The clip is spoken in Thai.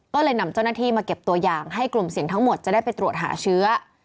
ก็เลยนำเจ้าหน้าที่มาเก็บตัวอย่างให้กลุ่มเสี่ยงทั้งหมดจะได้ไปตรวจหาเชื้อ